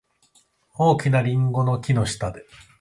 大きなリンゴの木の下で。